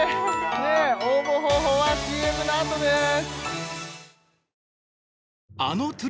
応募方法は ＣＭ のあとです